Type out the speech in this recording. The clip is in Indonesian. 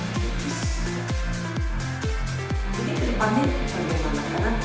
tergantung sama makanan